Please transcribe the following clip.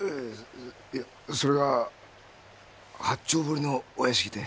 いやそれが八丁堀のお屋敷で。